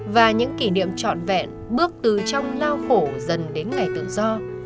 và những kỷ niệm trọn vẹn bước từ trong lao khổ dần đến ngày tự do